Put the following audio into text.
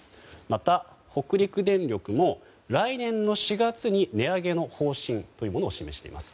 また、北陸電力も来年４月に値上げの方針というものを示しています。